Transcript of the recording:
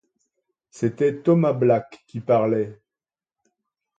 C’était Thomas Black qui parlait!